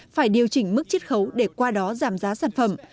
phải điều chỉnh mức chích khấu để qua đó giảm giá sản phẩm